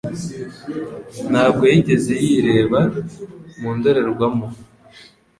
Ntabwo yigeze yireba mu ndorerwamo?